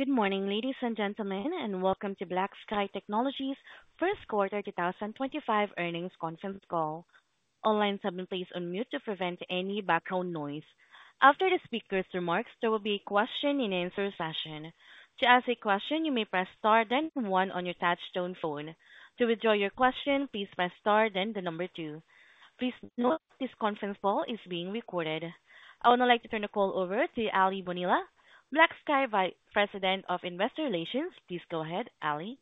Good morning, ladies and gentlemen, and welcome to BlackSky Technology's First Quarter 2025 Earnings Conference Call. All lines have been placed on mute to prevent any background noise. After the speaker's remarks, there will be a question and answer session. To ask a question, you may press star then one on your touch-tone phone. To withdraw your question, please press star then the number two. Please note this conference call is being recorded. I would now like to turn the call over to Aly Bonilla, BlackSky President of investor relations. Please go ahead, Aly.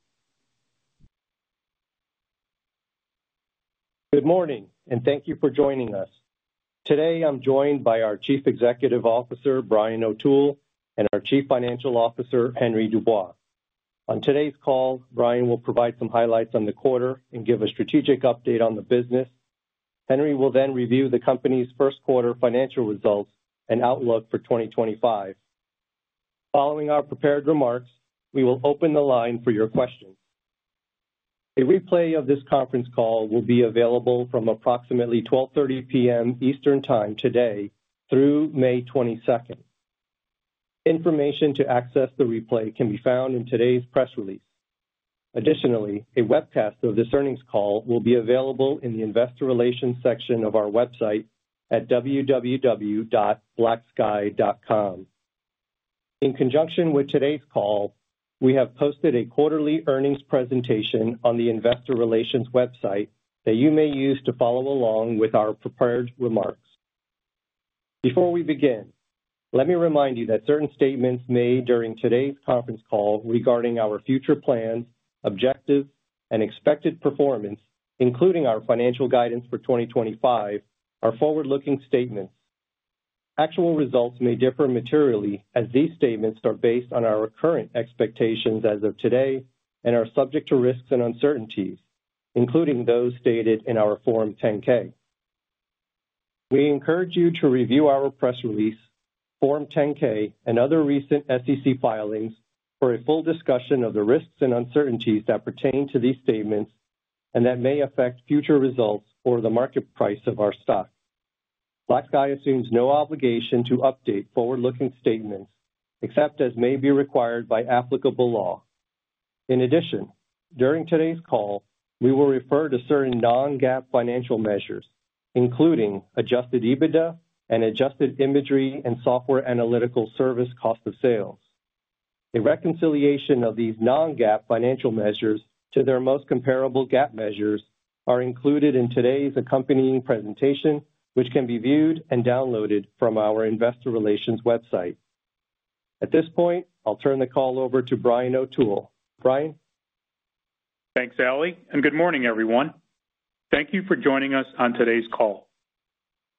Good morning, and thank you for joining us. Today, I'm joined by our Chief Executive Officer, Brian O'Toole, and our Chief Financial Officer, Henry Dubois. On today's call, Brian will provide some highlights on the quarter and give a strategic update on the business. Henry will then review the company's first quarter financial results and outlook for 2025. Following our prepared remarks, we will open the line for your questions. A replay of this conference call will be available from approximately 12:30 P.M. Eastern Time today through May 22. Information to access the replay can be found in today's press release. Additionally, a webcast of this earnings call will be available in the investor relations section of our website at www.blacksky.com. In conjunction with today's call, we have posted a quarterly earnings presentation on the investor relations website that you may use to follow along with our prepared remarks. Before we begin, let me remind you that certain statements made during today's conference call regarding our future plans, objectives, and expected performance, including our financial guidance for 2025, are forward-looking statements. Actual results may differ materially as these statements are based on our current expectations as of today and are subject to risks and uncertainties, including those stated in our Form 10-K. We encourage you to review our press release, Form 10-K, and other recent SEC filings for a full discussion of the risks and uncertainties that pertain to these statements and that may affect future results or the market price of our stock. BlackSky assumes no obligation to update forward-looking statements except as may be required by applicable law. In addition, during today's call, we will refer to certain non-GAAP financial measures, including adjusted EBITDA and adjusted imagery and software analytical service cost of sales. A reconciliation of these non-GAAP financial measures to their most comparable GAAP measures is included in today's accompanying presentation, which can be viewed and downloaded from our investor relations website. At this point, I'll turn the call over to Brian O'Toole. Brian? Thanks, Aly, and good morning, everyone. Thank you for joining us on today's call.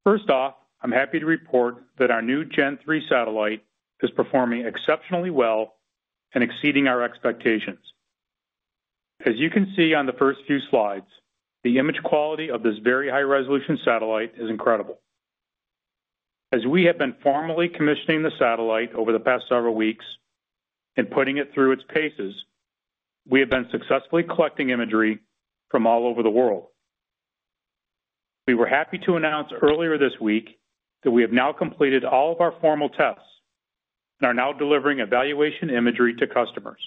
First off, I'm happy to report that our new Gen-3 satellite is performing exceptionally well and exceeding our expectations. As you can see on the first few slides, the image quality of this very high-resolution satellite is incredible. As we have been formally commissioning the satellite over the past several weeks and putting it through its paces, we have been successfully collecting imagery from all over the world. We were happy to announce earlier this week that we have now completed all of our formal tests and are now delivering evaluation imagery to customers.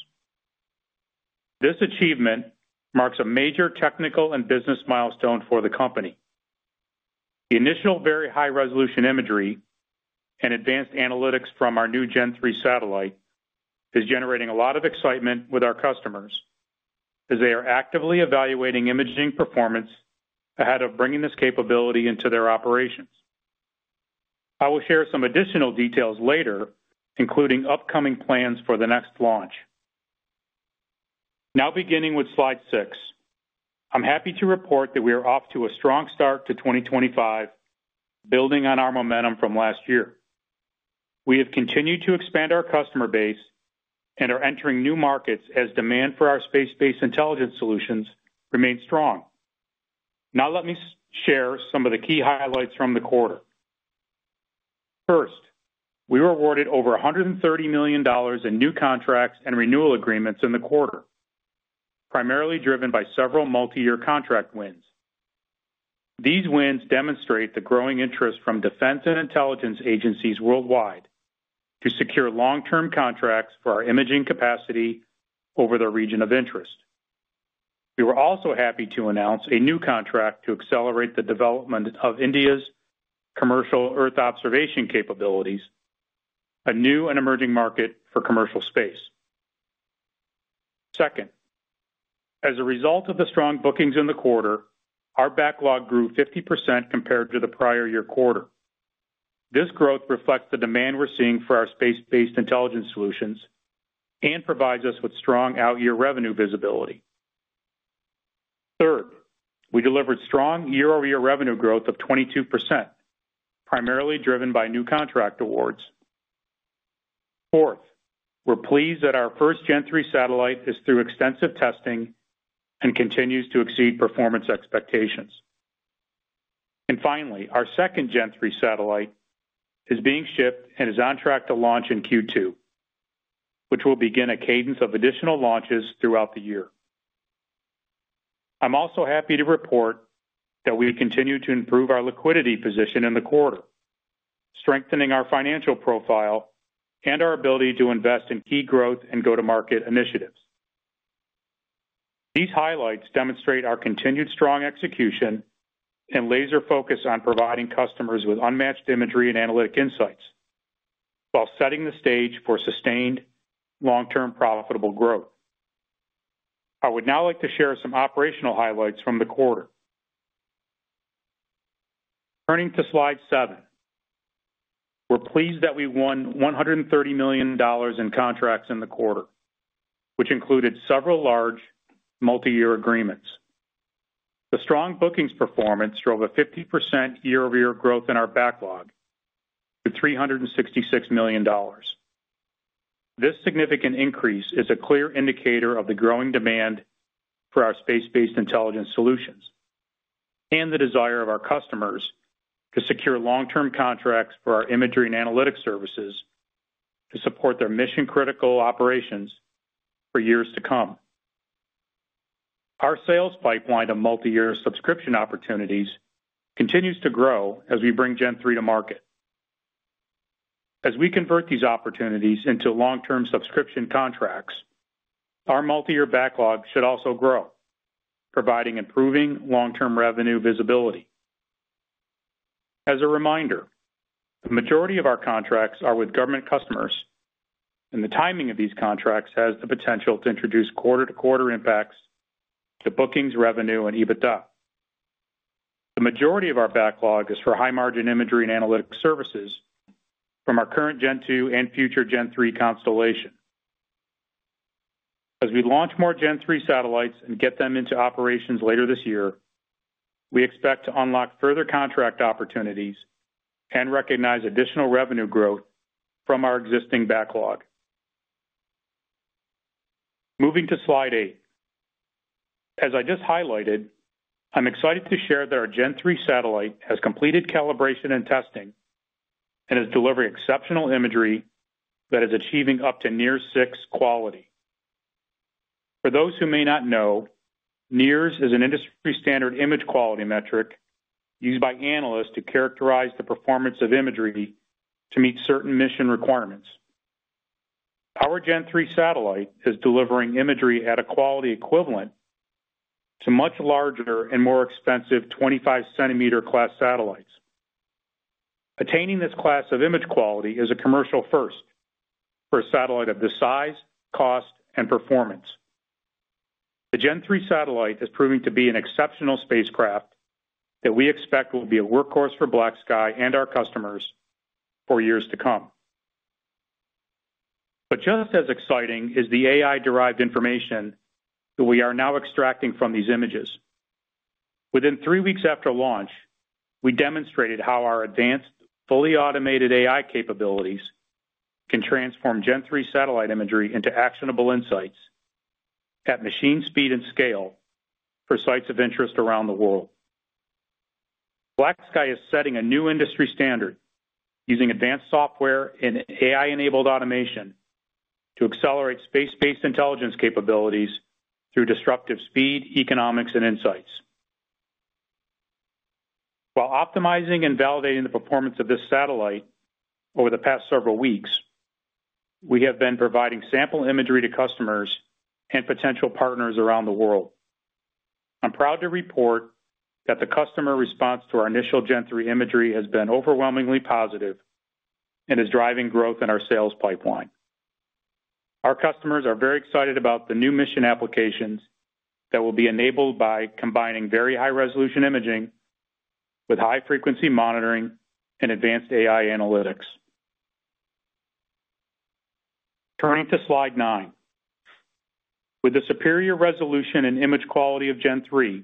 This achievement marks a major technical and business milestone for the company. The initial very high-resolution imagery and advanced analytics from our new Gen-3 satellite are generating a lot of excitement with our customers as they are actively evaluating imaging performance ahead of bringing this capability into their operations. I will share some additional details later, including upcoming plans for the next launch. Now, beginning with slide six, I'm happy to report that we are off to a strong start to 2025, building on our momentum from last year. We have continued to expand our customer base and are entering new markets as demand for our space-based intelligence solutions remains strong. Now, let me share some of the key highlights from the quarter. First, we were awarded over $130 million in new contracts and renewal agreements in the quarter, primarily driven by several multi-year contract wins. These wins demonstrate the growing interest from defense and intelligence agencies worldwide to secure long-term contracts for our imaging capacity over the region of interest. We were also happy to announce a new contract to accelerate the development of India's commercial Earth observation capabilities, a new and emerging market for commercial space. Second, as a result of the strong bookings in the quarter, our backlog grew 50% compared to the prior year quarter. This growth reflects the demand we're seeing for our space-based intelligence solutions and provides us with strong out-year revenue visibility. Third, we delivered strong year-over-year revenue growth of 22%, primarily driven by new contract awards. Fourth, we're pleased that our first Gen-3 satellite is through extensive testing and continues to exceed performance expectations. Finally, our second Gen-3 satellite is being shipped and is on track to launch in Q2, which will begin a cadence of additional launches throughout the year. I'm also happy to report that we continue to improve our liquidity position in the quarter, strengthening our financial profile and our ability to invest in key growth and go-to-market initiatives. These highlights demonstrate our continued strong execution and laser focus on providing customers with unmatched imagery and analytic insights while setting the stage for sustained long-term profitable growth. I would now like to share some operational highlights from the quarter. Turning to slide seven, we're pleased that we won $130 million in contracts in the quarter, which included several large multi-year agreements. The strong bookings performance drove a 50% year-over-year growth in our backlog to $366 million. This significant increase is a clear indicator of the growing demand for our space-based intelligence solutions and the desire of our customers to secure long-term contracts for our imagery and analytic services to support their mission-critical operations for years to come. Our sales pipeline of multi-year subscription opportunities continues to grow as we bring Gen-3 to market. As we convert these opportunities into long-term subscription contracts, our multi-year backlog should also grow, providing improving long-term revenue visibility. As a reminder, the majority of our contracts are with government customers, and the timing of these contracts has the potential to introduce quarter-to-quarter impacts to bookings, revenue, and EBITDA. The majority of our backlog is for high-margin imagery and analytic services from our current Gen-2 and future Gen-3 constellation. As we launch more Gen-3 satellites and get them into operations later this year, we expect to unlock further contract opportunities and recognize additional revenue growth from our existing backlog. Moving to slide eight, as I just highlighted, I'm excited to share that our Gen-3 satellite has completed calibration and testing and is delivering exceptional imagery that is achieving up to NIRS six quality. For those who may not know, NIRS is an industry-standard image quality metric used by analysts to characterize the performance of imagery to meet certain mission requirements. Our Gen-3 satellite is delivering imagery at a quality equivalent to much larger and more expensive 25-centimeter-class satellites. Attaining this class of image quality is a commercial first for a satellite of this size, cost, and performance. The Gen-3 satellite is proving to be an exceptional spacecraft that we expect will be a workhorse for BlackSky and our customers for years to come. Just as exciting is the AI-derived information that we are now extracting from these images. Within three weeks after launch, we demonstrated how our advanced, fully automated AI capabilities can transform Gen-3 satellite imagery into actionable insights at machine speed and scale for sites of interest around the world. BlackSky is setting a new industry standard using advanced software and AI-enabled automation to accelerate space-based intelligence capabilities through disruptive speed, economics, and insights. While optimizing and validating the performance of this satellite over the past several weeks, we have been providing sample imagery to customers and potential partners around the world. I'm proud to report that the customer response to our initial Gen-3 imagery has been overwhelmingly positive and is driving growth in our sales pipeline. Our customers are very excited about the new mission applications that will be enabled by combining very high-resolution imaging with high-frequency monitoring and advanced AI analytics. Turning to slide nine, with the superior resolution and image quality of Gen-3,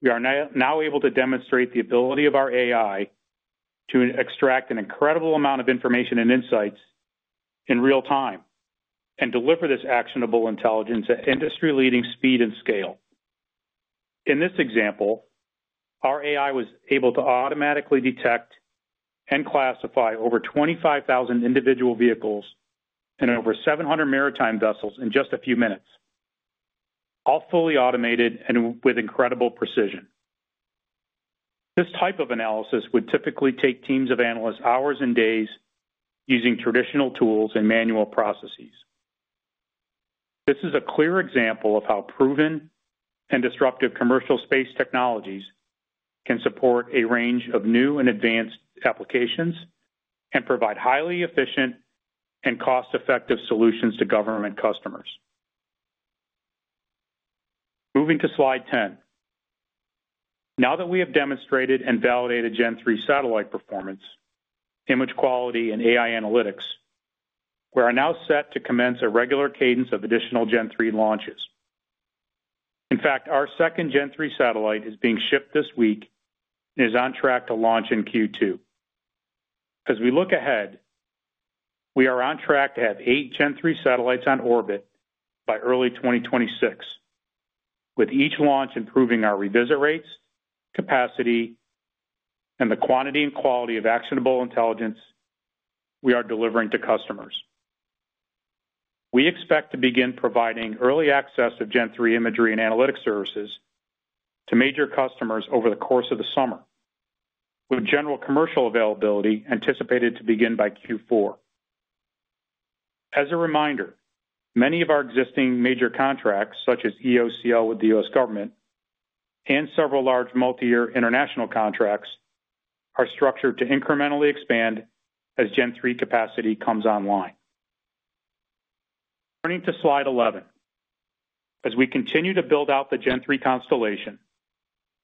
we are now able to demonstrate the ability of our AI to extract an incredible amount of information and insights in real time and deliver this actionable intelligence at industry-leading speed and scale. In this example, our AI was able to automatically detect and classify over 25,000 individual vehicles and over 700 maritime vessels in just a few minutes, all fully automated and with incredible precision. This type of analysis would typically take teams of analysts hours and days using traditional tools and manual processes. This is a clear example of how proven and disruptive commercial space technologies can support a range of new and advanced applications and provide highly efficient and cost-effective solutions to government customers. Moving to slide 10, now that we have demonstrated and validated Gen-3 satellite performance, image quality, and AI analytics, we are now set to commence a regular cadence of additional Gen-3 launches. In fact, our second Gen-3 satellite is being shipped this week and is on track to launch in Q2. As we look ahead, we are on track to have 8 Gen-3 satellites on orbit by early 2026, with each launch improving our revisit rates, capacity, and the quantity and quality of actionable intelligence we are delivering to customers. We expect to begin providing early access of Gen-3 imagery and analytic services to major customers over the course of the summer, with general commercial availability anticipated to begin by Q4. As a reminder, many of our existing major contracts, such as EOCL with the U.S. government and several large multi-year international contracts, are structured to incrementally expand as Gen-3 capacity comes online. Turning to slide 11, as we continue to build out the Gen-3 constellation,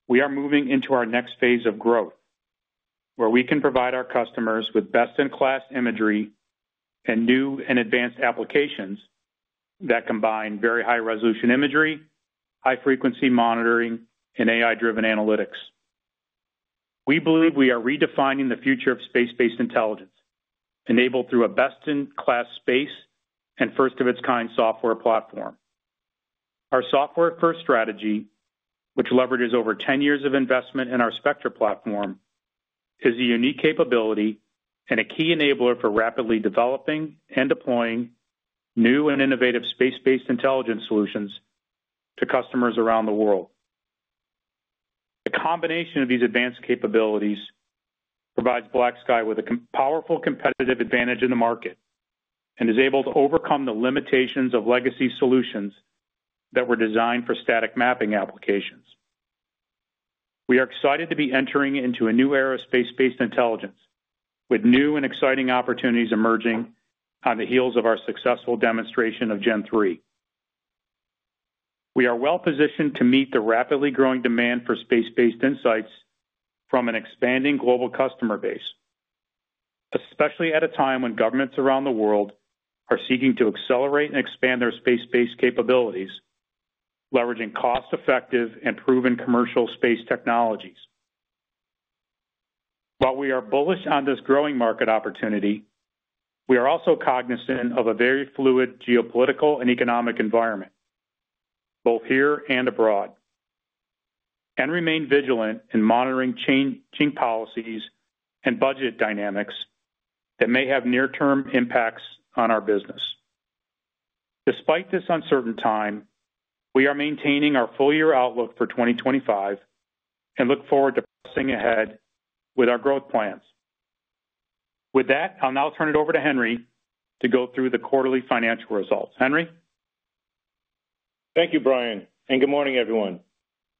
we are moving into our next phase of growth, where we can provide our customers with best-in-class imagery and new and advanced applications that combine very high-resolution imagery, high-frequency monitoring, and AI-driven analytics. We believe we are redefining the future of space-based intelligence enabled through a best-in-class space and first-of-its-kind software platform. Our software-first strategy, which leverages over 10 years of investment in our Spectra platform, is a unique capability and a key enabler for rapidly developing and deploying new and innovative space-based intelligence solutions to customers around the world. The combination of these advanced capabilities provides BlackSky with a powerful competitive advantage in the market and is able to overcome the limitations of legacy solutions that were designed for static mapping applications. We are excited to be entering into a new era of space-based intelligence, with new and exciting opportunities emerging on the heels of our successful demonstration of Gen-3. We are well-positioned to meet the rapidly growing demand for space-based insights from an expanding global customer base, especially at a time when governments around the world are seeking to accelerate and expand their space-based capabilities, leveraging cost-effective and proven commercial space technologies. While we are bullish on this growing market opportunity, we are also cognizant of a very fluid geopolitical and economic environment, both here and abroad, and remain vigilant in monitoring changing policies and budget dynamics that may have near-term impacts on our business. Despite this uncertain time, we are maintaining our full-year outlook for 2025 and look forward to progressing ahead with our growth plans. With that, I'll now turn it over to Henry to go through the quarterly financial results. Henry? Thank you, Brian, and good morning, everyone.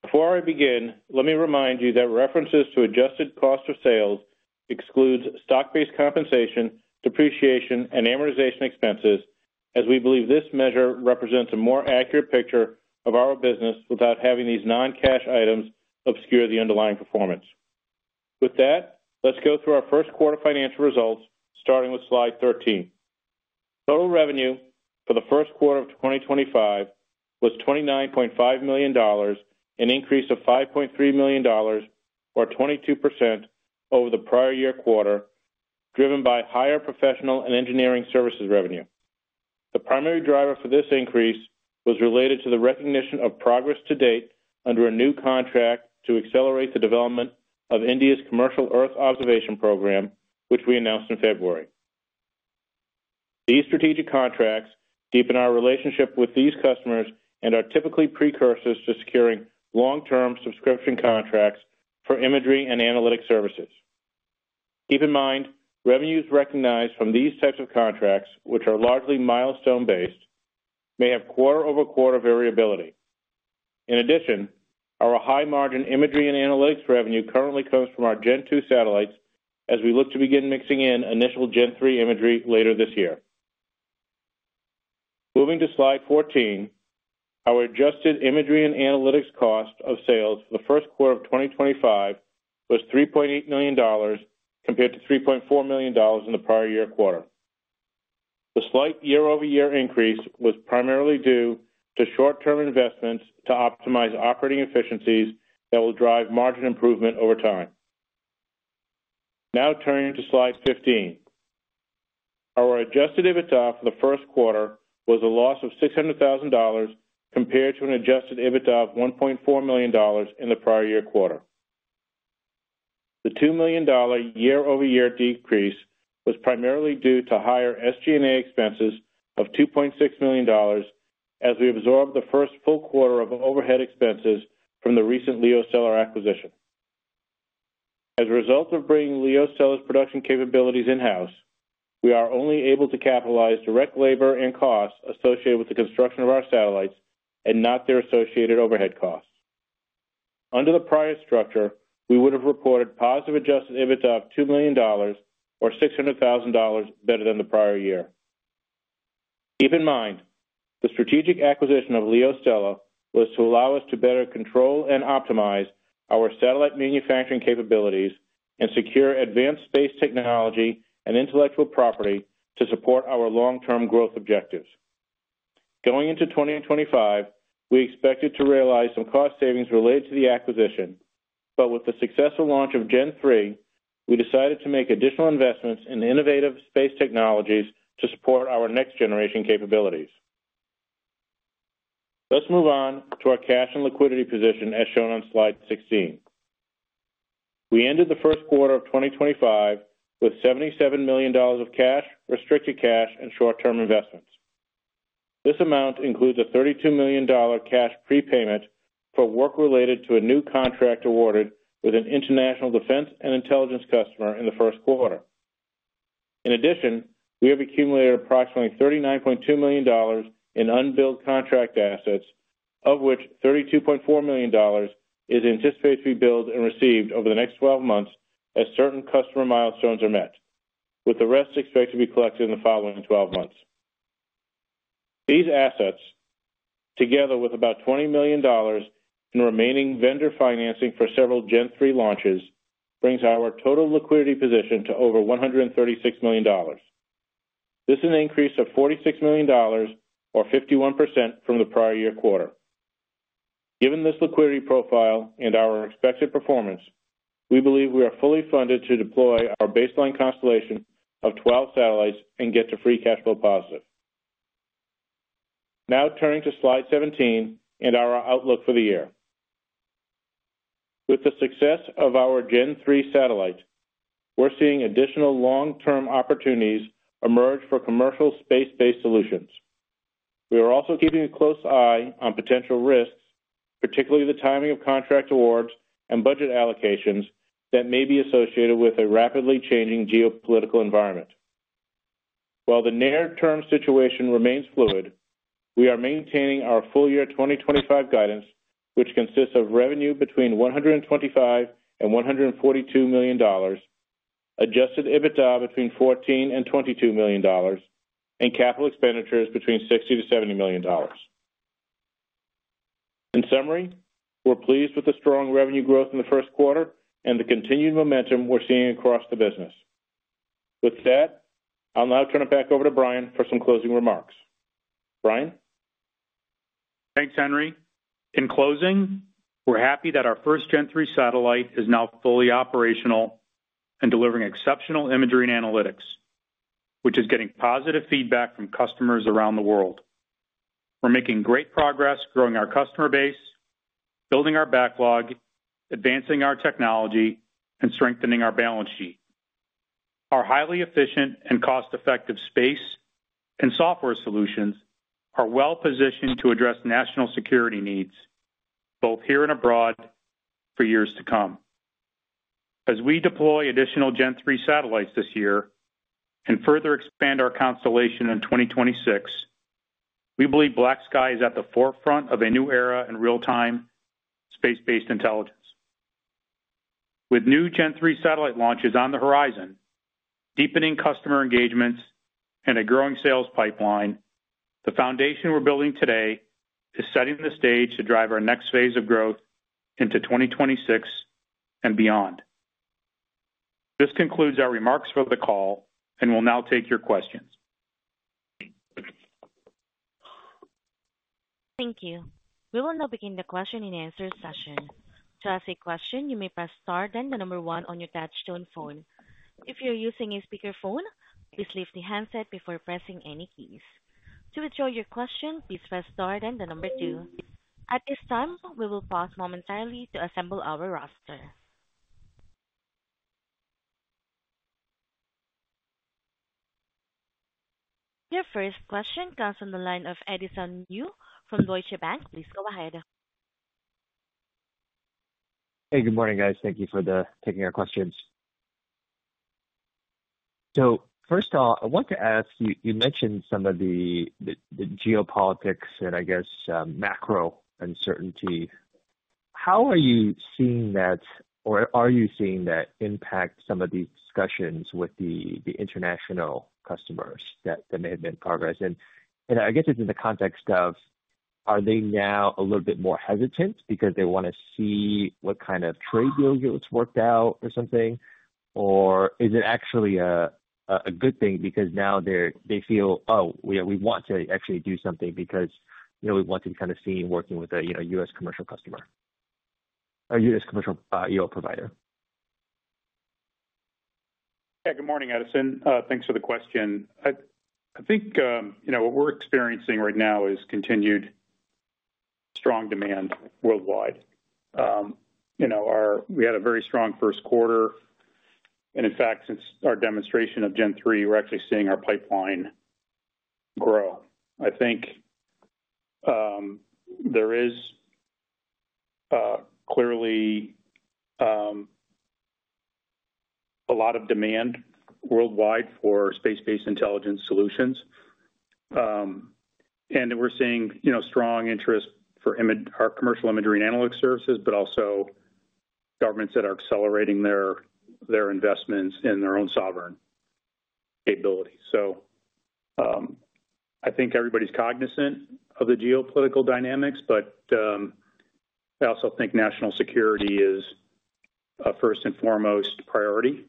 Before I begin, let me remind you that references to adjusted cost of sales exclude stock-based compensation, depreciation, and amortization expenses, as we believe this measure represents a more accurate picture of our business without having these non-cash items obscure the underlying performance. With that, let's go through our first quarter financial results, starting with slide 13. Total revenue for the first quarter of 2025 was $29.5 million, an increase of $5.3 million, or 22% over the prior year quarter, driven by higher professional and engineering services revenue. The primary driver for this increase was related to the recognition of progress to date under a new contract to accelerate the development of India's commercial Earth observation program, which we announced in February. These strategic contracts deepen our relationship with these customers and are typically precursors to securing long-term subscription contracts for imagery and analytic services. Keep in mind, revenues recognized from these types of contracts, which are largely milestone-based, may have quarter-over-quarter variability. In addition, our high-margin imagery and analytics revenue currently comes from our Gen-2 satellites, as we look to begin mixing in initial Gen-3 imagery later this year. Moving to slide 14, our adjusted imagery and analytics cost of sales for the first quarter of 2025 was $3.8 million compared to $3.4 million in the prior year quarter. The slight year-over-year increase was primarily due to short-term investments to optimize operating efficiencies that will drive margin improvement over time. Now turning to slide 15, our adjusted EBITDA for the first quarter was a loss of $600,000 compared to an adjusted EBITDA of $1.4 million in the prior year quarter. The $2 million year-over-year decrease was primarily due to higher SG&A expenses of $2.6 million, as we absorbed the first full quarter of overhead expenses from the recent LeoStella acquisition. As a result of bringing LeoStella's production capabilities in-house, we are only able to capitalize direct labor and costs associated with the construction of our satellites and not their associated overhead costs. Under the prior structure, we would have reported positive adjusted EBITDA of $2 million, or $600,000 better than the prior year. Keep in mind, the strategic acquisition of LeoStella was to allow us to better control and optimize our satellite manufacturing capabilities and secure advanced space technology and intellectual property to support our long-term growth objectives. Going into 2025, we expected to realize some cost savings related to the acquisition, but with the successful launch of Gen-3, we decided to make additional investments in innovative space technologies to support our next-generation capabilities. Let's move on to our cash and liquidity position, as shown on slide 16. We ended the first quarter of 2025 with $77 million of cash, restricted cash, and short-term investments. This amount includes a $32 million cash prepayment for work related to a new contract awarded with an international defense and intelligence customer in the first quarter. In addition, we have accumulated approximately $39.2 million in unbilled contract assets, of which $32.4 million is anticipated to be billed and received over the next 12 months as certain customer milestones are met, with the rest expected to be collected in the following 12 months. These assets, together with about $20 million in remaining vendor financing for several Gen-3 launches, brings our total liquidity position to over $136 million. This is an increase of $46 million, or 51% from the prior year quarter. Given this liquidity profile and our expected performance, we believe we are fully funded to deploy our baseline constellation of 12 satellites and get to free cash flow positive. Now turning to slide 17 and our outlook for the year. With the success of our Gen-3 satellite, we're seeing additional long-term opportunities emerge for commercial space-based solutions. We are also keeping a close eye on potential risks, particularly the timing of contract awards and budget allocations that may be associated with a rapidly changing geopolitical environment. While the near-term situation remains fluid, we are maintaining our full-year 2025 guidance, which consists of revenue between $125-$142 million, adjusted EBITDA between $14-$22 million, and capital expenditures between $60-$70 million. In summary, we're pleased with the strong revenue growth in the first quarter and the continued momentum we're seeing across the business. With that, I'll now turn it back over to Brian for some closing remarks. Brian? Thanks, Henry. In closing, we're happy that our first Gen-3 satellite is now fully operational and delivering exceptional imagery and analytics, which is getting positive feedback from customers around the world. We're making great progress growing our customer base, building our backlog, advancing our technology, and strengthening our balance sheet. Our highly efficient and cost-effective space and software solutions are well-positioned to address national security needs, both here and abroad, for years to come. As we deploy additional Gen-3 satellites this year and further expand our constellation in 2026, we believe BlackSky is at the forefront of a new era in real-time space-based intelligence. With new Gen-3 satellite launches on the horizon, deepening customer engagements, and a growing sales pipeline, the foundation we're building today is setting the stage to drive our next phase of growth into 2026 and beyond. This concludes our remarks for the call, and we'll now take your questions. Thank you. We will now begin the question and answer session. To ask a question, you may press star then the number one on your touch-tone phone. If you're using a speakerphone, please lift the handset before pressing any keys. To withdraw your question, please press star then the number two. At this time, we will pause momentarily to assemble our roster. Your first question comes from the line of Edison Yu from Deutsche Bank. Please go ahead. Hey, good morning, guys. Thank you for taking our questions. First off, I want to ask, you mentioned some of the geopolitics and, I guess, macro uncertainty. How are you seeing that, or are you seeing that impact some of these discussions with the international customers that may have made progress? I guess it's in the context of, are they now a little bit more hesitant because they want to see what kind of trade deal gets worked out or something? Or is it actually a good thing because now they feel, "Oh, we want to actually do something because we want to be kind of seen working with a U.S. commercial customer or U.S. commercial EO provider"? Yeah, good morning, Edison. Thanks for the question. I think what we're experiencing right now is continued strong demand worldwide. We had a very strong first quarter. In fact, since our demonstration of Gen-3, we're actually seeing our pipeline grow. I think there is clearly a lot of demand worldwide for space-based intelligence solutions. We're seeing strong interest for our commercial imagery and analytic services, but also governments that are accelerating their investments in their own sovereign capability. I think everybody's cognizant of the geopolitical dynamics, but I also think national security is a first and foremost priority.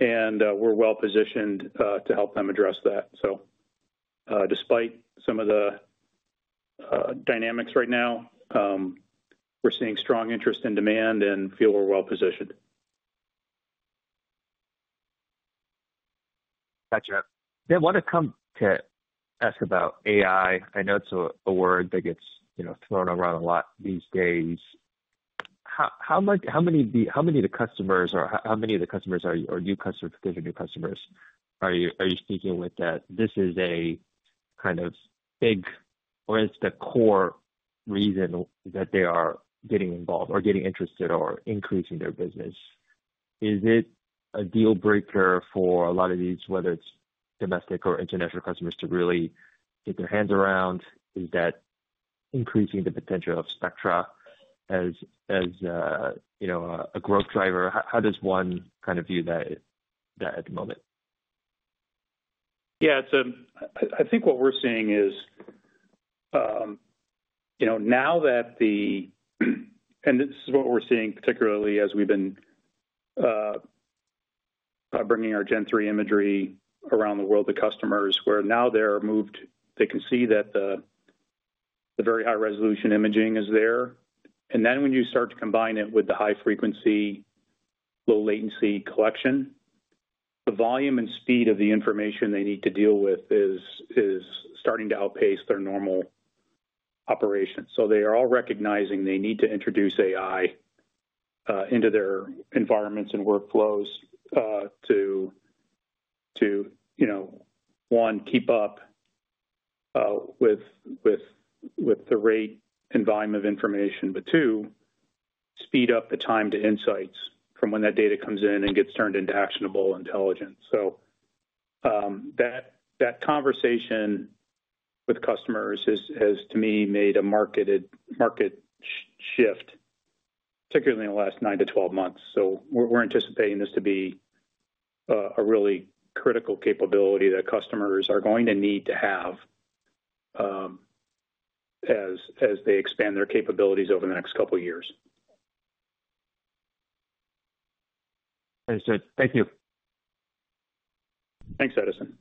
We're well-positioned to help them address that. Despite some of the dynamics right now, we're seeing strong interest and demand and feel we're well-positioned. Gotcha. I want to come to ask about AI. I know it's a word that gets thrown around a lot these days. How many of the customers or how many of the customers are new customers? Are you speaking with that this is a kind of big or is the core reason that they are getting involved or getting interested or increasing their business? Is it a deal breaker for a lot of these, whether it's domestic or international customers, to really get their hands around? Is that increasing the potential of Spectra as a growth driver? How does one kind of view that at the moment? Yeah, I think what we're seeing is now that the—and this is what we're seeing particularly as we've been bringing our Gen-3 imagery around the world to customers, where now they can see that the very high-resolution imaging is there. Then when you start to combine it with the high-frequency, low-latency collection, the volume and speed of the information they need to deal with is starting to outpace their normal operations. They are all recognizing they need to introduce AI into their environments and workflows to, one, keep up with the rate and volume of information, but two, speed up the time to insights from when that data comes in and gets turned into actionable intelligence. That conversation with customers has, to me, made a market shift, particularly in the last nine to 12 months. We're anticipating this to be a really critical capability that customers are going to need to have as they expand their capabilities over the next couple of years. Understood. Thank you. Thanks, Edison.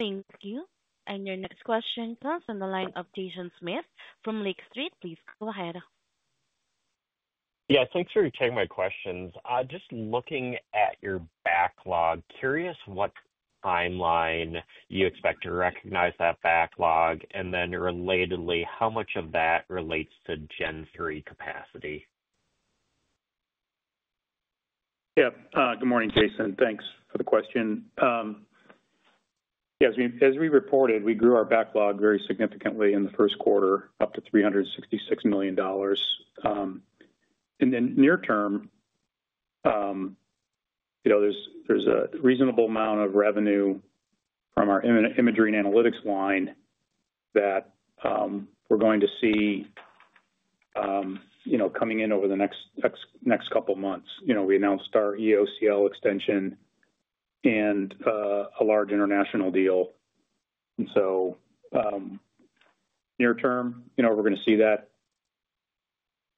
Thank you. Your next question comes from the line of Jason Smith from Lake Street. Please go ahead. Yeah, thanks for taking my questions. Just looking at your backlog, curious what timeline you expect to recognize that backlog, and then relatedly, how much of that relates to Gen-3 capacity? Yeah. Good morning, Jason. Thanks for the question. As we reported, we grew our backlog very significantly in the first quarter, up to $366 million. In the near term, there's a reasonable amount of revenue from our imagery and analytics line that we're going to see coming in over the next couple of months. We announced our EOCL extension and a large international deal. Near term, we're going to see that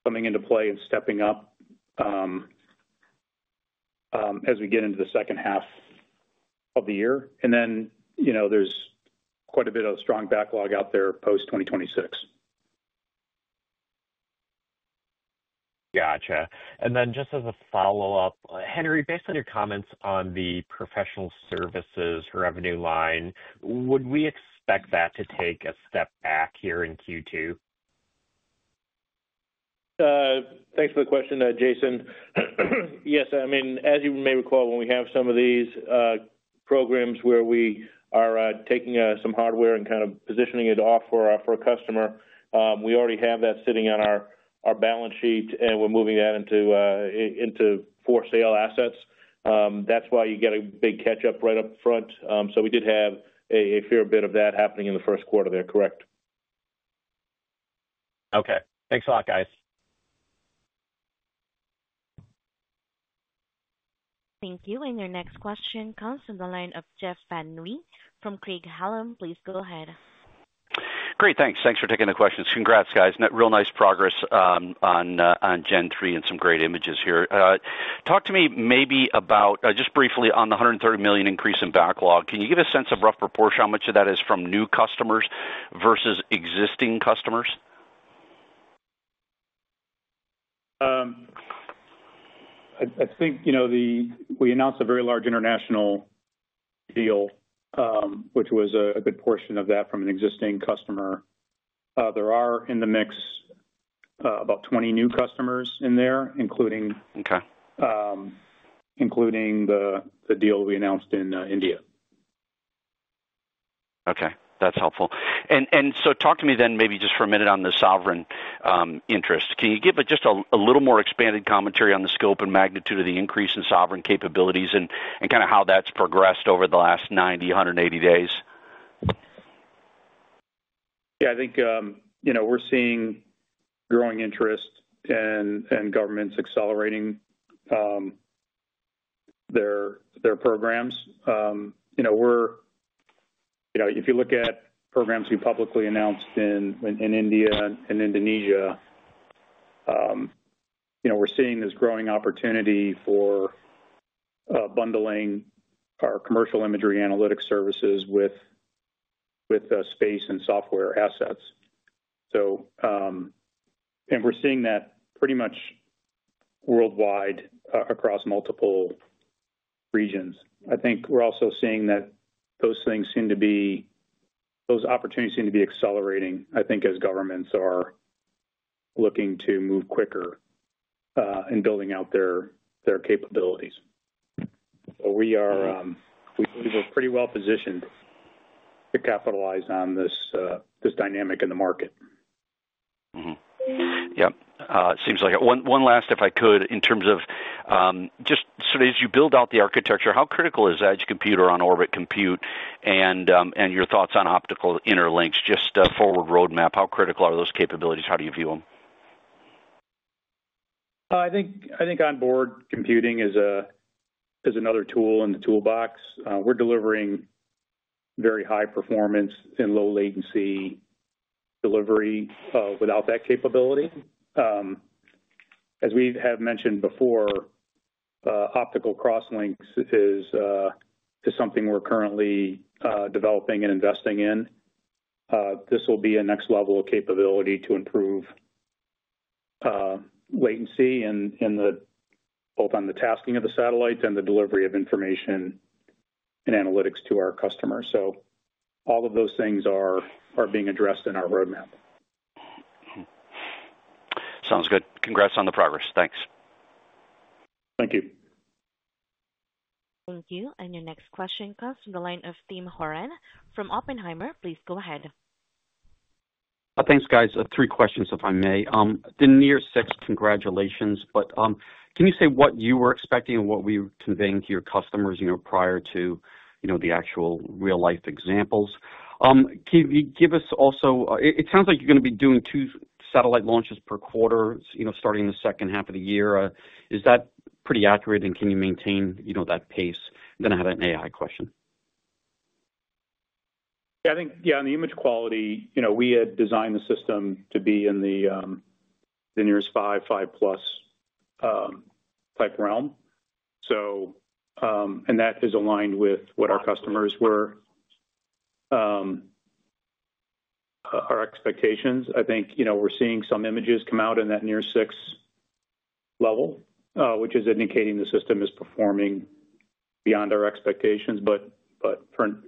coming into play and stepping up as we get into the second half of the year. There is quite a bit of strong backlog out there post-2026. Gotcha. Just as a follow-up, Henry, based on your comments on the professional services revenue line, would we expect that to take a step back here in Q2? Thanks for the question, Jason. Yes. I mean, as you may recall, when we have some of these programs where we are taking some hardware and kind of positioning it off for a customer, we already have that sitting on our balance sheet, and we're moving that into for-sale assets. That's why you get a big catch-up right up front. We did have a fair bit of that happening in the first quarter there. Correct. Okay. Thanks a lot, guys. Thank you. Your next question comes from the line of Jeff Van Rhee from Craig-Hallum. Please go ahead. Great. Thanks. Thanks for taking the questions. Congrats, guys. Real nice progress on Gen-3 and some great images here. Talk to me maybe about, just briefly, on the $130 million increase in backlog. Can you give a sense of rough proportion how much of that is from new customers versus existing customers? I think we announced a very large international deal, which was a good portion of that from an existing customer. There are in the mix about 20 new customers in there, including the deal we announced in India. Okay. That's helpful. Talk to me then maybe just for a minute on the sovereign interest. Can you give just a little more expanded commentary on the scope and magnitude of the increase in sovereign capabilities and kind of how that's progressed over the last 90, 180 days? Yeah. I think we're seeing growing interest and governments accelerating their programs. If you look at programs we publicly announced in India and Indonesia, we're seeing this growing opportunity for bundling our commercial imagery analytic services with space and software assets. We're seeing that pretty much worldwide across multiple regions. I think we're also seeing that those things seem to be—those opportunities seem to be accelerating, I think, as governments are looking to move quicker and building out their capabilities. We believe we're pretty well-positioned to capitalize on this dynamic in the market. Yep. Seems like it. One last, if I could, in terms of just sort of as you build out the architecture, how critical is edge computing, on-orbit compute, and your thoughts on optical interlinks? Just forward roadmap, how critical are those capabilities? How do you view them? I think onboard computing is another tool in the toolbox. We're delivering very high performance and low-latency delivery without that capability. As we have mentioned before, optical crosslinks is something we're currently developing and investing in. This will be a next level of capability to improve latency both on the tasking of the satellite and the delivery of information and analytics to our customers. All of those things are being addressed in our roadmap. Sounds good. Congrats on the progress. Thanks. Thank you. Thank you. Your next question comes from the line of Tim Horan from Oppenheimer. Please go ahead. Thanks, guys. Three questions, if I may. The near six, congratulations. But can you say what you were expecting and what we conveyed to your customers prior to the actual real-life examples? Can you give us also—it sounds like you're going to be doing two satellite launches per quarter starting in the second half of the year. Is that pretty accurate? Can you maintain that pace? Then I have an AI question. Yeah. I think, yeah, on the image quality, we had designed the system to be in the near five, five-plus type realm. That is aligned with what our customers were—our expectations. I think we're seeing some images come out in that near six level, which is indicating the system is performing beyond our expectations.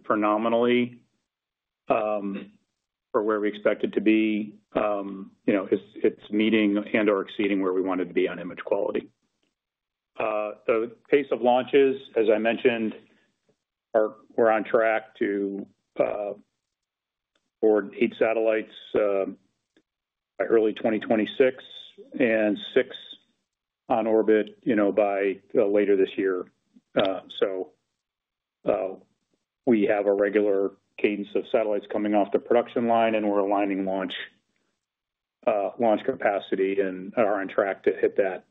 Phenomenally, for where we expected to be, it's meeting and or exceeding where we wanted to be on image quality. The pace of launches, as I mentioned, we're on track to board eight satellites by early 2026 and six on orbit by later this year. We have a regular cadence of satellites coming off the production line, and we're aligning launch capacity and are on track to hit that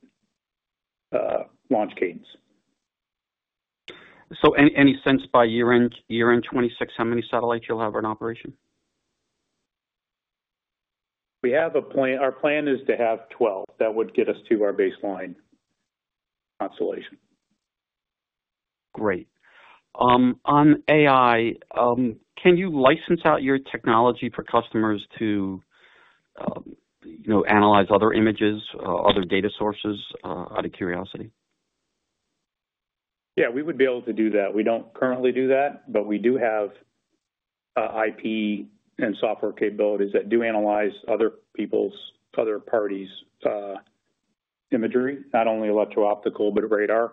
launch cadence. Any sense by year-end 2026, how many satellites you'll have in operation? Our plan is to have 12. That would get us to our baseline constellation. Great. On AI, can you license out your technology for customers to analyze other images, other data sources out of curiosity? Yeah. We would be able to do that. We don't currently do that, but we do have IP and software capabilities that do analyze other parties' imagery, not only electro-optical, but radar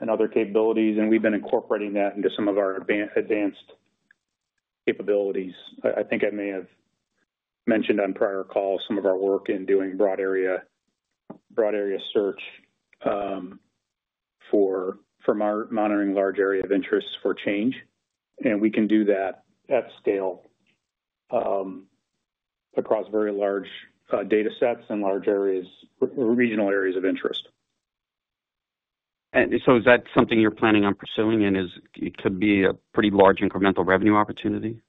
and other capabilities. We have been incorporating that into some of our advanced capabilities. I think I may have mentioned on prior calls some of our work in doing broad area search for monitoring large area of interest for change. We can do that at scale across very large data sets and regional areas of interest. Is that something you're planning on pursuing? It could be a pretty large incremental revenue opportunity?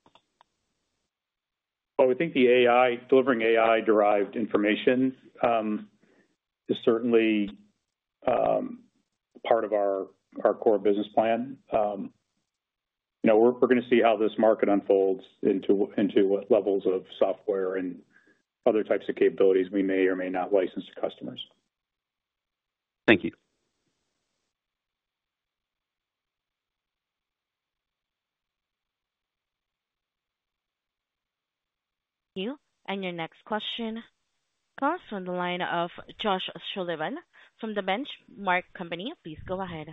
I think delivering AI-derived information is certainly part of our core business plan. We're going to see how this market unfolds into what levels of software and other types of capabilities we may or may not license to customers. Thank you. Thank you. Your next question comes from the line of Josh Sullivan from The Benchmark Company. Please go ahead.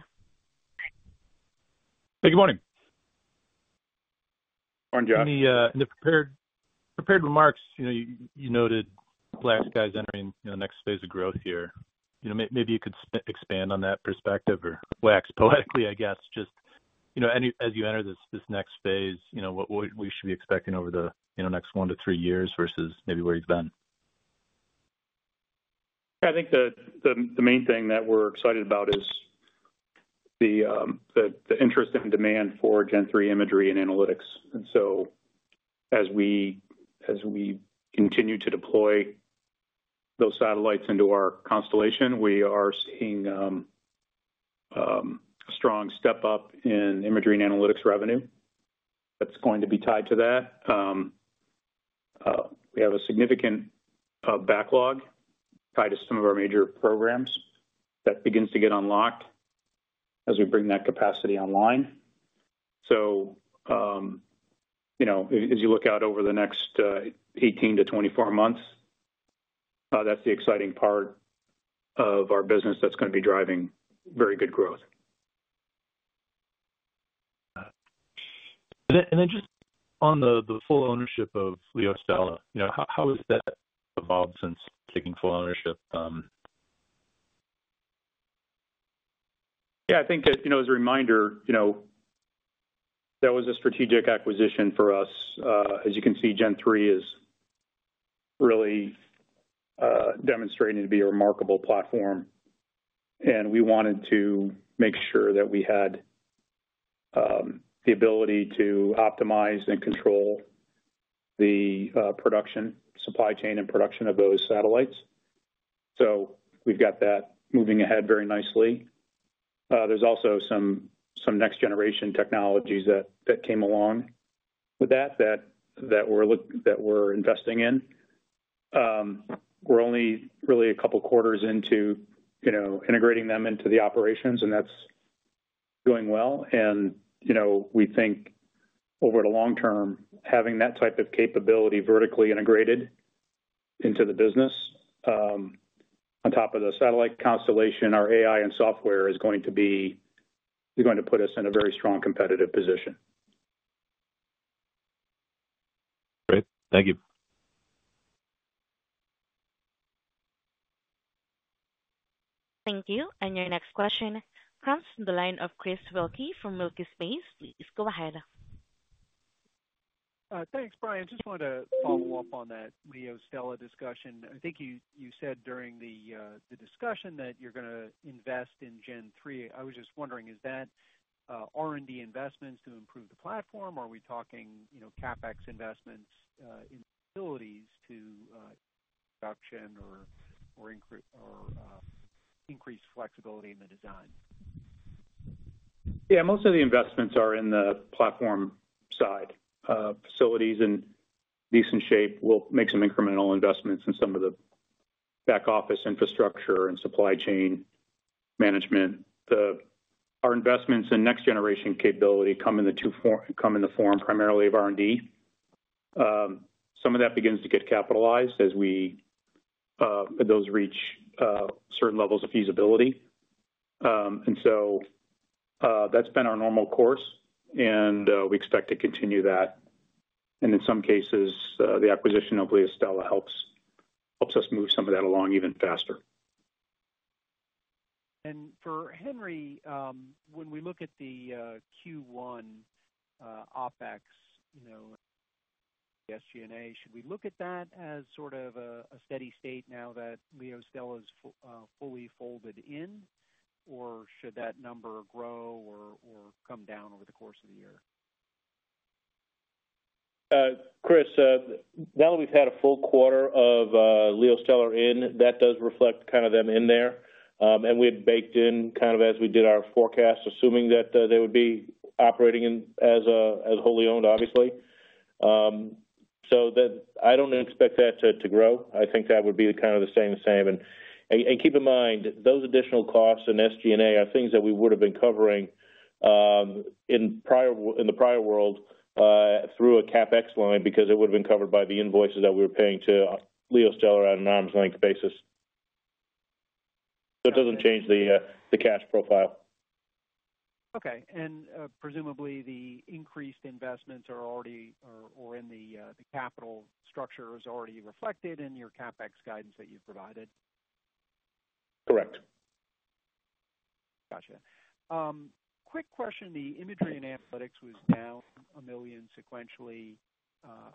Hey, good morning. Morning, Josh. In the prepared remarks, you noted BlackSky's entering the next phase of growth here. Maybe you could expand on that perspective or wax poetically, I guess, just as you enter this next phase, what we should be expecting over the next one to three years versus maybe where you've been? I think the main thing that we're excited about is the interest and demand for Gen-3 imagery and analytics. And as we continue to deploy those satellites into our constellation, we are seeing a strong step-up in imagery and analytics revenue that's going to be tied to that. We have a significant backlog tied to some of our major programs that begins to get unlocked as we bring that capacity online. As you look out over the next 18 to 24 months, that's the exciting part of our business that's going to be driving very good growth. Just on the full ownership of LeoStella, how has that evolved since taking full ownership? Yeah. I think as a reminder, that was a strategic acquisition for us. As you can see, Gen-3 is really demonstrating to be a remarkable platform. We wanted to make sure that we had the ability to optimize and control the supply chain and production of those satellites. We have that moving ahead very nicely. There are also some next-generation technologies that came along with that that we are investing in. We are only really a couple of quarters into integrating them into the operations, and that is going well. We think over the long term, having that type of capability vertically integrated into the business on top of the satellite constellation, our AI and software is going to put us in a very strong competitive position. Great. Thank you. Thank you. Your next question comes from the line of Chris Wilkie from Wilkie Space. Please go ahead. Thanks, Brian. Just wanted to follow up on that LeoStella discussion. I think you said during the discussion that you're going to invest in Gen-3. I was just wondering, is that R&D investments to improve the platform? Are we talking CapEx investments in facilities to production or increase flexibility in the design? Yeah. Most of the investments are in the platform side. Facilities in decent shape will make some incremental investments in some of the back-office infrastructure and supply chain management. Our investments in next-generation capability come in the form primarily of R&D. Some of that begins to get capitalized as those reach certain levels of feasibility. That's been our normal course, and we expect to continue that. In some cases, the acquisition of LeoStella helps us move some of that along even faster. For Henry, when we look at the Q1 OpEx, SG&A, should we look at that as sort of a steady state now that LeoStella is fully folded in, or should that number grow or come down over the course of the year? Chris, now that we've had a full quarter of LeoStella in, that does reflect kind of them in there. We had baked in, as we did our forecast, assuming that they would be operating as wholly owned, obviously. I don't expect that to grow. I think that would be kind of the same same. Keep in mind, those additional costs and SG&A are things that we would have been covering in the prior world through a CapEx line because it would have been covered by the invoices that we were paying to LeoStella on an arm's length basis. It does not change the cash profile. Okay. Presumably, the increased investments are already or in the capital structure are already reflected in your CapEx guidance that you have provided? Correct. Gotcha. Quick question. The imagery and analytics was down $1 million sequentially.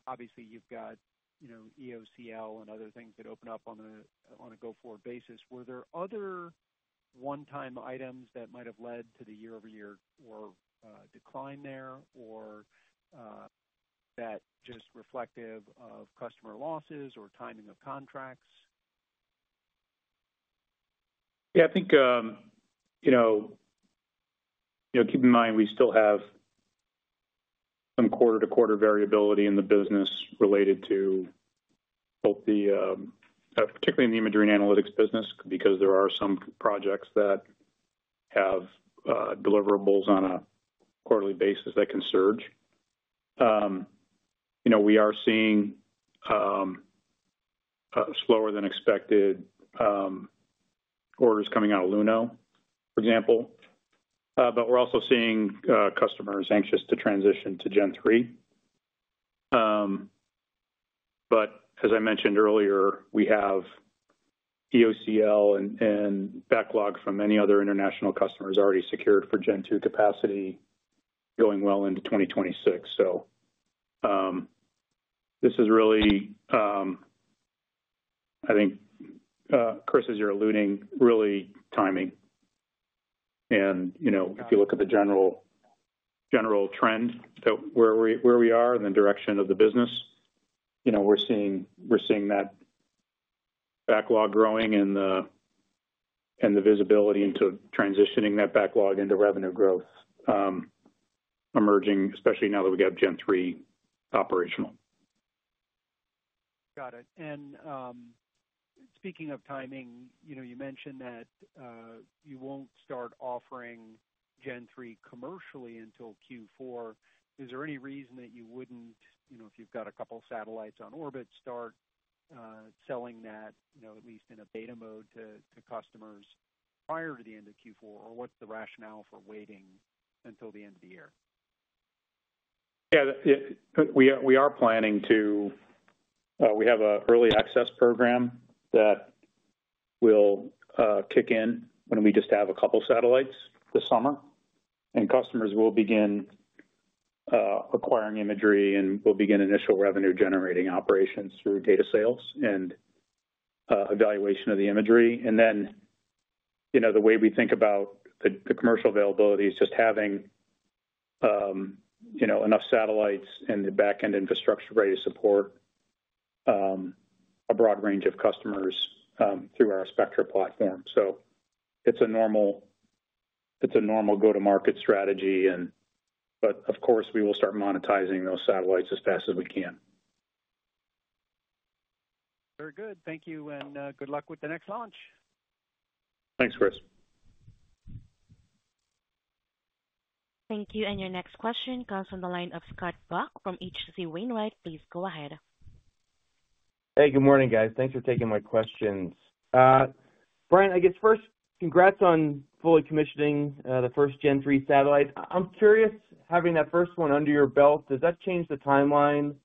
Obviously, you have EOCL and other things that open up on a go-forward basis. Were there other one-time items that might have led to the year-over-year decline there or is that just reflective of customer losses or timing of contracts? Yeah. I think keep in mind we still have some quarter-to-quarter variability in the business related to both the, particularly in the imagery and analytics business because there are some projects that have deliverables on a quarterly basis that can surge. We are seeing slower-than-expected orders coming out of Luno, for example. We are also seeing customers anxious to transition to Gen-3. As I mentioned earlier, we have EOCL and backlog from many other international customers already secured for Gen-2 capacity going well into 2026. This is really, I think, Chris, as you are alluding, really timing. If you look at the general trend where we are and the direction of the business, we are seeing that backlog growing and the visibility into transitioning that backlog into revenue growth emerging, especially now that we got Gen-3 operational. Got it. Speaking of timing, you mentioned that you won't start offering Gen-3 commercially until Q4. Is there any reason that you wouldn't, if you've got a couple of satellites on orbit, start selling that at least in a beta mode to customers prior to the end of Q4, or what's the rationale for waiting until the end of the year? Yeah. We are planning to, we have an early access program that will kick in when we just have a couple of satellites this summer. Customers will begin acquiring imagery and will begin initial revenue-generating operations through data sales and evaluation of the imagery. The way we think about the commercial availability is just having enough satellites and the back-end infrastructure ready to support a broad range of customers through our Spectra platform. It is a normal go-to-market strategy. Of course, we will start monetizing those satellites as fast as we can. Very good. Thank you. Good luck with the next launch. Thanks, Chris. Thank you. Your next question comes from the line of Scott Buck from H.C. Wainwright. Please go ahead. Hey, good morning, guys. Thanks for taking my questions. Brian, I guess first, congrats on fully commissioning the first Gen-3 satellite. I'm curious, having that first one under your belt, does that change the timeline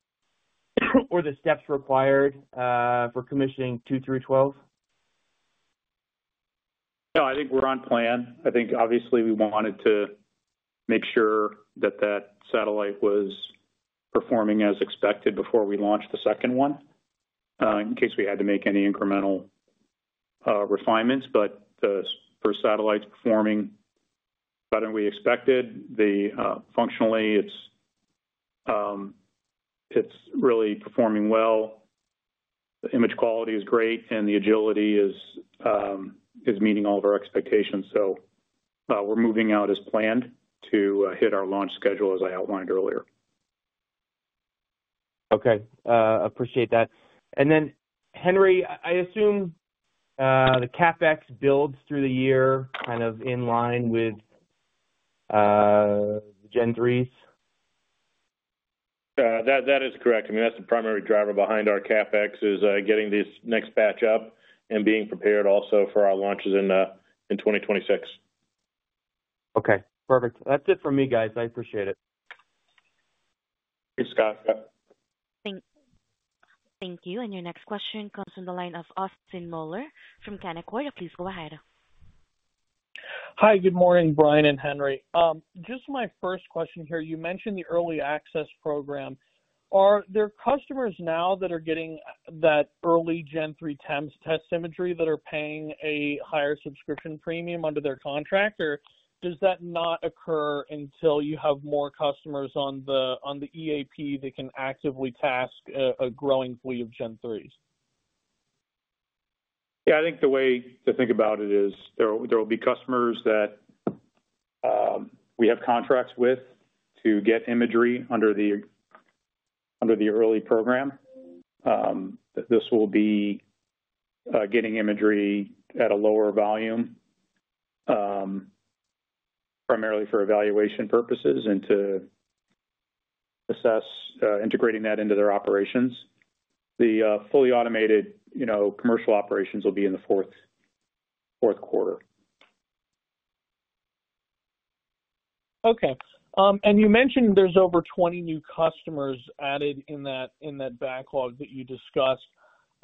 or the steps required for commissioning two through 12? No, I think we're on plan. I think, obviously, we wanted to make sure that that satellite was performing as expected before we launched the second one in case we had to make any incremental refinements. For satellites performing better than we expected, functionally, it's really performing well. The image quality is great, and the agility is meeting all of our expectations. We're moving out as planned to hit our launch schedule as I outlined earlier. Okay. Appreciate that. Henry, I assume the CapEx builds through the year kind of in line with the Gen-3s? That is correct. I mean, that's the primary driver behind our CapEx is getting this next batch up and being prepared also for our launches in 2026. Okay. Perfect. That's it for me, guys. I appreciate it. Thanks, Scott. Thank you. Your next question comes from the line of Austin Moeller from Canaccord. Please go ahead. Hi. Good morning, Brian and Henry. Just my first question here. You mentioned the early access program. Are there customers now that are getting that early Gen-3 test imagery that are paying a higher subscription premium under their contract, or does that not occur until you have more customers on the EAP that can actively task a growing fleet of Gen-3s? Yeah. I think the way to think about it is there will be customers that we have contracts with to get imagery under the early program. This will be getting imagery at a lower volume primarily for evaluation purposes and to assess integrating that into their operations. The fully automated commercial operations will be in the fourth quarter. Okay. You mentioned there are over 20 new customers added in that backlog that you discussed.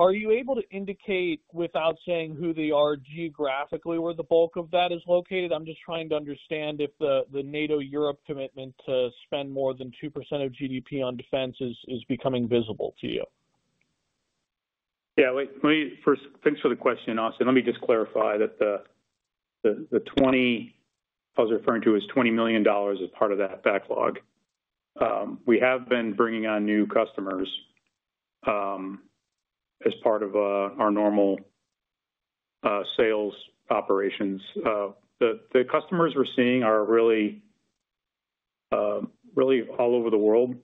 Are you able to indicate without saying who they are geographically where the bulk of that is located? I'm just trying to understand if the NATO-Europe commitment to spend more than 2% of GDP on defense is becoming visible to you. Yeah.Thanks for the question, Austin. Let me just clarify that the 20 I was referring to is $20 million as part of that backlog. We have been bringing on new customers as part of our normal sales operations. The customers we're seeing are really all over the world.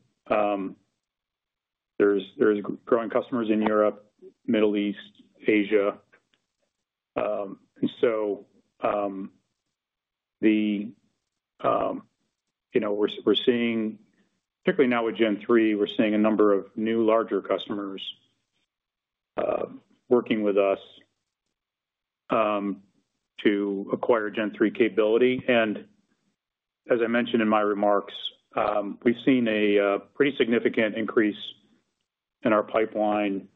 There's growing customers in Europe, Middle East, Asia. We are seeing, particularly now with Gen-3, a number of new larger customers working with us to acquire Gen-3 capability. As I mentioned in my remarks, we've seen a pretty significant increase in our pipeline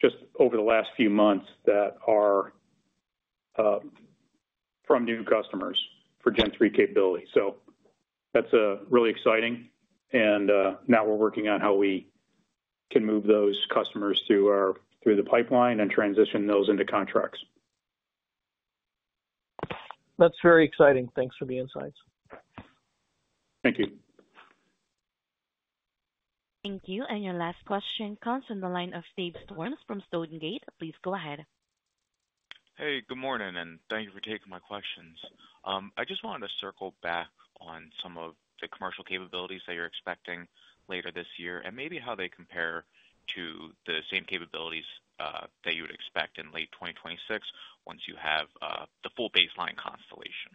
just over the last few months that are from new customers for Gen-3 capability. That's really exciting. Now we're working on how we can move those customers through the pipeline and transition those into contracts. That's very exciting. Thanks for the insights. Thank you. Thank you. Your last question comes from the line of Dave Storms from Stonegate. Please go ahead. Hey, good morning, and thank you for taking my questions. I just wanted to circle back on some of the commercial capabilities that you're expecting later this year and maybe how they compare to the same capabilities that you would expect in late 2026 once you have the full baseline constellation.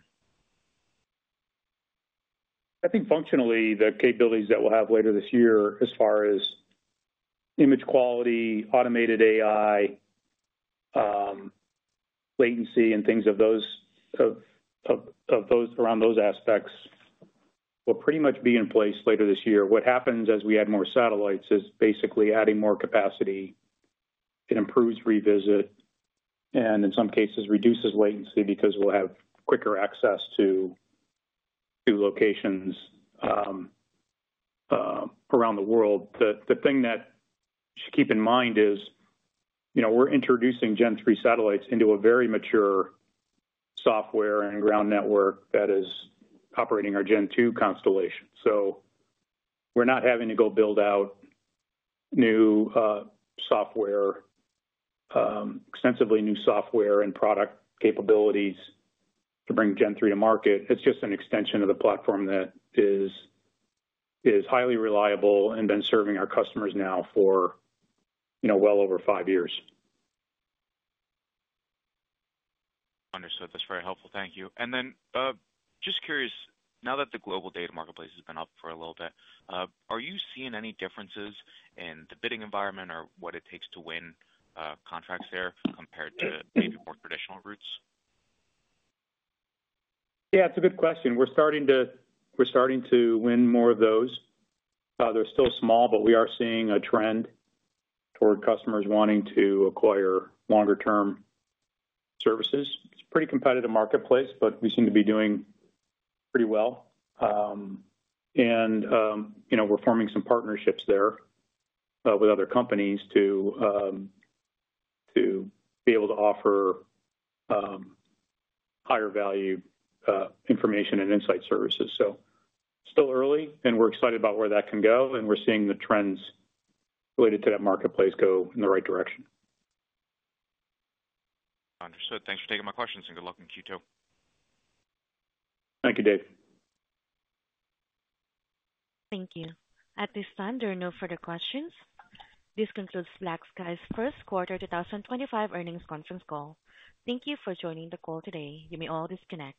I think functionally, the capabilities that we'll have later this year as far as image quality, automated AI, latency, and things around those aspects will pretty much be in place later this year. What happens as we add more satellites is basically adding more capacity. It improves revisit and, in some cases, reduces latency because we'll have quicker access to locations around the world. The thing that you should keep in mind is we're introducing Gen-3 satellites into a very mature software and ground network that is operating our Gen-2 constellation. So we're not having to go build out extensively new software and product capabilities to bring Gen-3 to market. It's just an extension of the platform that is highly reliable and been serving our customers now for well over five years. Understood. That's very helpful. Thank you. And then just curious, now that the global data marketplace has been up for a little bit, are you seeing any differences in the bidding environment or what it takes to win contracts there compared to maybe more traditional routes? Yeah. It's a good question. We're starting to win more of those. They're still small, but we are seeing a trend toward customers wanting to acquire longer-term services. It's a pretty competitive marketplace, but we seem to be doing pretty well. We are forming some partnerships there with other companies to be able to offer higher-value information and insight services. Still early, and we're excited about where that can go. We are seeing the trends related to that marketplace go in the right direction. Understood. Thanks for taking my questions, and good luck in Q2. Thank you, Dave. Thank you. At this time, there are no further questions. This concludes BlackSky's First Quarter 2025 Earnings Conference Call. Thank you for joining the call today. You may all disconnect.